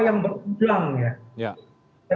yang berulang ya